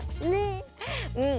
うん。